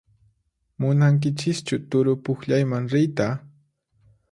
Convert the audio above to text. Munankichischu turupukllayman riyta?